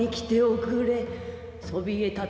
そびえ立つ